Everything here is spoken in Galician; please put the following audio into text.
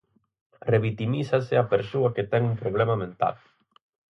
Revitimízase á persoa que ten un problema mental.